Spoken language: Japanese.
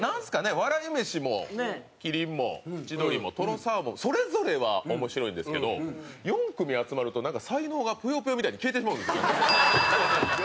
笑い飯も、麒麟も千鳥も、とろサーモンそれぞれは面白いんですけど４組集まると細胞が『ぷよぷよ』みたいに消えてしまうんですね。